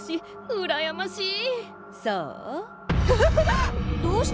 うらやましい！